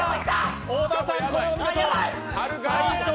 小田さん、これはお見事。